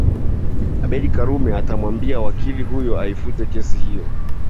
Abeid Karume atamwambia wakili huyo aifute kesi hiyo